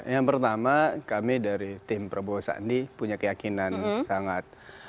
yang pertama kami dari tim prabowo sandi punya keyakinan sangat